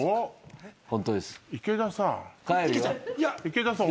池田さん。